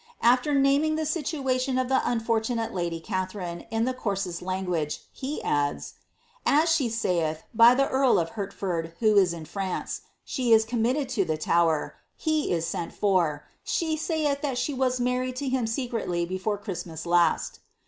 After naming the silualion of the unfortunate ladv Kalhsrine, in the coarsest language, he adds, ' as she sailh, by the eail 'Snrpe. ' *tbid. MhltABMTU* 151 lif Uertford, who b in France. Slie is committed to the Tower ; he is Kot fur. She saith that she was married to him secretly before Christ* nas last.''